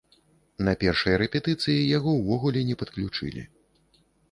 На першай рэпетыцыі яго ўвогуле не падключылі.